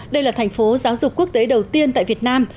đây là thành phố giáo dục quốc tế đầu tiên tại việt nam